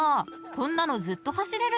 こんなのずっと走れるじゃん］